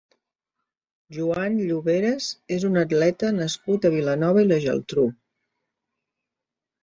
Juan Lloveras és un atleta nascut a Vilanova i la Geltrú.